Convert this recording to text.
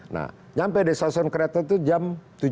nah sampai di stasiun kereta itu jam tujuh belas empat puluh lima